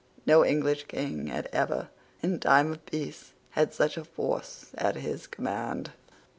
No English King had ever, in time of peace, had such a force at his command.